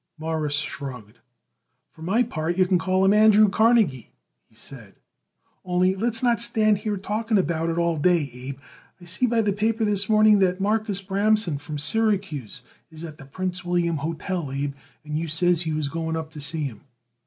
Morris shrugged. "For my part, you can call him Andrew Carnegie," he said; "only, let's not stand here talking about it all day, Abe. I see by the paper this morning that Marcus Bramson, from Syracuse, is at the Prince William Hotel, Abe, and you says you was going up to see him.